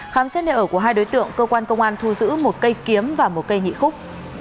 khám xét nơi ở của hai đối tượng cơ quan công an thu giữ một cây kiếm và một cây nhị khúc